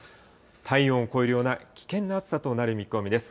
体温を超えるような危険な暑さとなる見込みです。